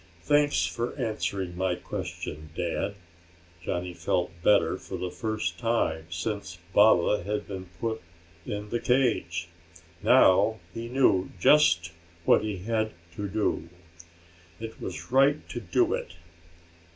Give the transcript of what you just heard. "Thanks for answering my question, Dad." Johnny felt better for the first time since Baba had been put in the cage. Now he knew just what he had to do. It was right to do it.